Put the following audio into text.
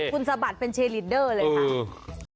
คุณสะบัดเป็นเชลิดเดอร์เลยค่ะ